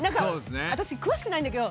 私詳しくないんだけど。